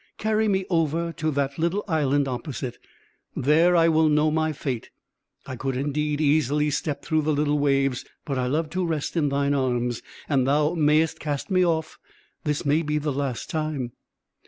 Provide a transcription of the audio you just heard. Carry me over to that little island opposite. There I will know my fate. I could indeed easily step through the little waves; but I love to rest in thine arms! and thou mayest cast me off; this may be the last time."